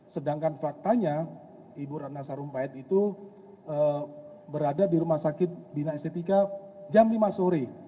sedangkan faktanya ibu ratna sarumpait itu berada di rumah sakit bina estetika jam lima sore